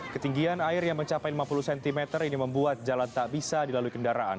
ketinggian air yang mencapai lima puluh cm ini membuat jalan tak bisa dilalui kendaraan